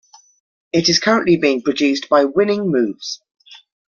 It is currently being produced by Winning Moves.